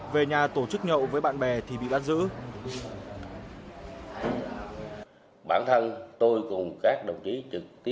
về nhà tổ chức nhậu với bạn bè thì bị bắt giữ